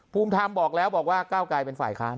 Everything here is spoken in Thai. ภูมิธรรมบอกแล้วบอกว่าก้าวกลายเป็นฝ่ายค้าน